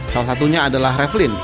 salah satunya adalah raflin